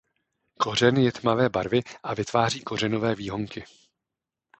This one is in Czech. Kořen je tmavé barvy a vytváří kořenové výhonky.